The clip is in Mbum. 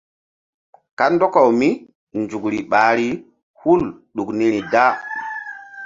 Kandɔkaw mí nzukri ɓahri hul ɗuk niri da.